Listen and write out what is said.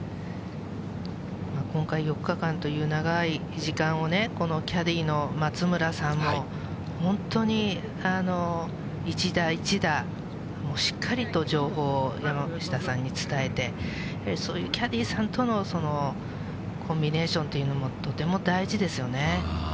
今回、４日間という長い時間を、このキャディーの松村さんも本当に一打一打、しっかりと情報を山下さんに伝えて、そういうキャディーさんとのコンビネーションというのもとても大事ですよね。